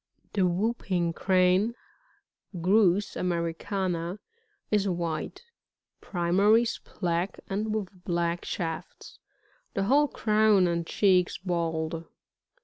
32. [The Whooping Crane^ — Grtis americana, — is white; primaries black, and with black shafts ; the whole crown and cheeks bald.